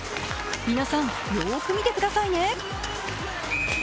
皆さん、よーく見てくださいね。